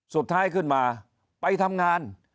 สุดท้ายขึ้นมาไปทำงาน